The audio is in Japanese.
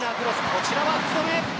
こちらは福留。